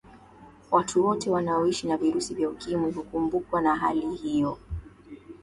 watu wote wanaoishi na virusi vya ukimwi hukumbwa na hali hiyo